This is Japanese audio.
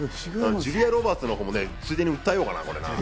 ジュリア・ロバーツのほうもついでに訴えようかな？